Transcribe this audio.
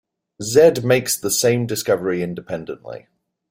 Zedd makes the same discovery independently.